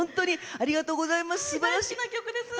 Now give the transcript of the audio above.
ありがとうございます！